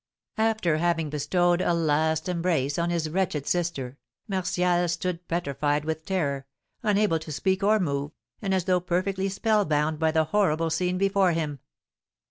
After having bestowed a last embrace on his wretched sister, Martial stood petrified with terror, unable to speak or move, and as though perfectly spellbound by the horrible scene before him.